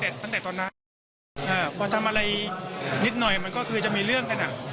แต่ตั้งแต่ตอนนั้นพอทำอะไรนิดหน่อยมันก็คือจะมีเรื่องกันอ่ะ